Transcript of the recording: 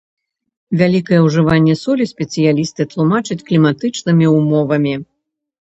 Вялікае ўжыванне солі спецыялісты тлумачаць кліматычнымі ўмовамі.